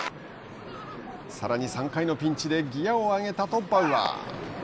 さらに３回のピンチでギアを上げたとバウアー。